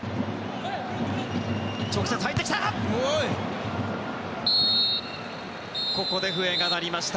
直接入ってきた！